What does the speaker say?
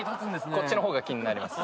こっちの方が気になります。